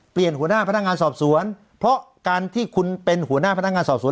หัวหน้าพนักงานสอบสวนเพราะการที่คุณเป็นหัวหน้าพนักงานสอบสวน